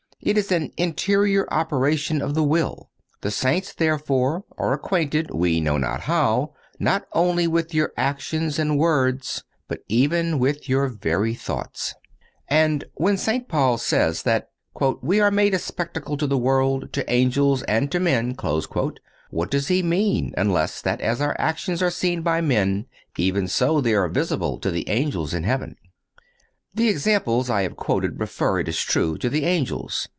It is an interior operation of the will. The saints, therefore, are acquainted—we know not how—not only with your actions and words, but even with your very thoughts. And when St. Paul says that "we are made a spectacle to the world, to angels, and to men,"(196) what does he mean, unless that as our actions are seen by men even so they are visible to the angels in heaven? The examples I have quoted refer, it is true, to the angels.